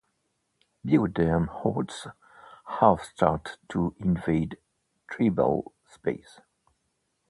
BioDerm Hordes have started to invade tribal space.